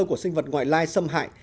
của sinh vật ngoại lai xâm hại